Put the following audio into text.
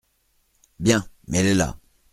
Bien ! mets-les là.